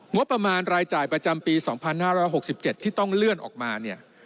งบประมาณรายจ่ายประจำปี๒๕๖๗ที่ต้องเลื่อนออกมาเนี่ย